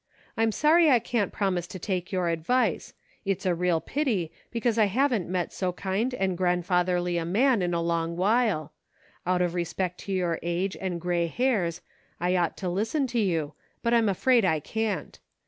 I'm sorry I can't promise to take your advice ; it's a real pity, because I haven't met so kind and grandfatherly a man in a long while ; out of respect to your age, and gray hairs, I ought to listen to you, but I'm afraid I can't.